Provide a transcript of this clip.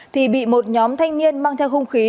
thì bị một nhóm thanh niên mang theo hung khí